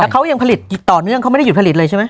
เขายังผลิตต่อเนื่องเขาไม่ได้หยุดผลิตเลยใช่ไหม